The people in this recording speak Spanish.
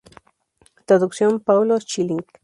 Traducción Paulo Schilling.